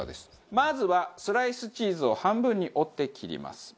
まずはスライスチーズを半分に折って切ります。